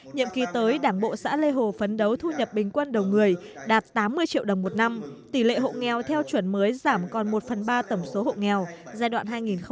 nhiệm kỳ tới đảng bộ xã lê hồ phấn đấu thu nhập bình quân đầu người đạt tám mươi triệu đồng một năm tỷ lệ hộ nghèo theo chuẩn mới giảm còn một phần ba tổng số hộ nghèo giai đoạn hai nghìn hai mươi hai nghìn hai mươi năm